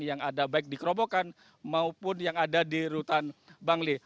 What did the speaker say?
yang ada baik di kerobokan maupun yang ada di rutan bangli